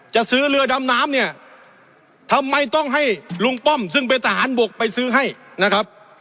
จะซื้อเรือดำน้ำเนี่ยทำไมต้องให้ลุงป้อมซึ่งเป็นทหารบกไปซื้อให้นะครับ